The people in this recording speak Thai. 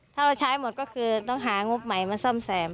ถ้าเราใช้หมดก็คือต้องหางบใหม่มาซ่อมแซม